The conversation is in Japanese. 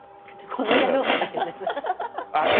「この野郎」とか言って。